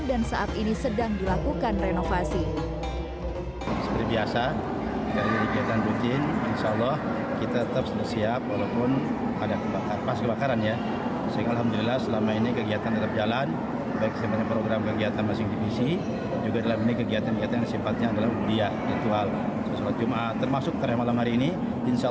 dan saat ini sedang dilakukan renovasi